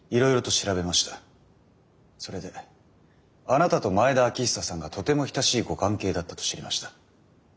それであなたと前田秋寿さんがとても親しいご関係だったと知りました。